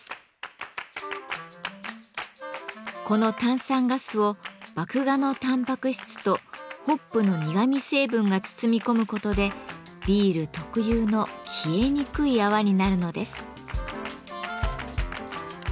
この炭酸ガスを麦芽のタンパク質とホップの苦み成分が包み込むことでビール特有の消えにくい泡になるのです。